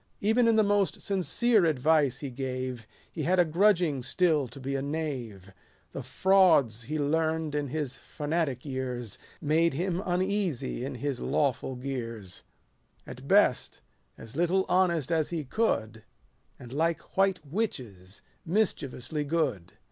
Even in the most sincere advice he gave, He had a grudging still to be a knave. The frauds he learn'd in his fanatic years Made him uneasy in his lawful gears ; 60 At best, as little honest as he could, And, like white witches, 1 mischievously good.